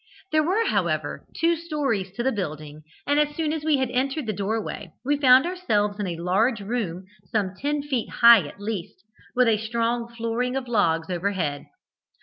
There were, however, two stories to the building, and as soon as we had entered the doorway, we found ourselves in a large room, some ten feet high at least, with a strong flooring of logs overhead.